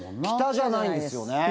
北じゃないんですよね。